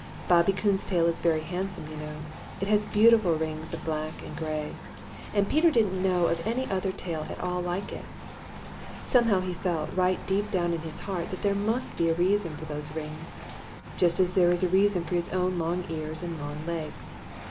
Bobby Coon's tail is very handsome, you know. It has beautiful rings of black and gray, and Peter didn't know of any other tail at all like it. Somehow, he felt right down deep in his heart that there must be a reason for those rings, just as there is a reason for his own long ears and long legs.